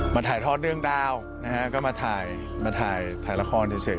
มาถ่ายทอดเรื่องดาวนะฮะก็มาถ่ายถ่ายละครที่เสร็จ